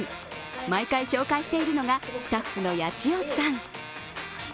毎回紹介しているのがスタッフのやちよさん。